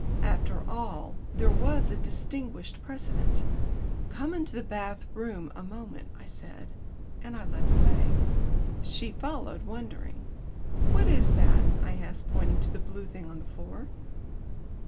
After all, there was a distinguished precedent. "Come into the bath room a moment," I said, and I led the way. She followed, wondering. "What is that?" I asked, pointing to a blue thing on the floor.